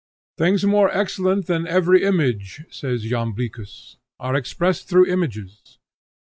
"Things more excellent than every image," says Jamblichus, "are expressed through images."